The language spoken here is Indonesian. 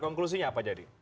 konklusinya apa jadi